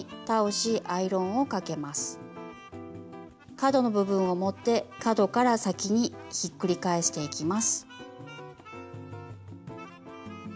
角の部分を持って角から先にひっくり返していきます。